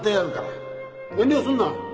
遠慮すんな。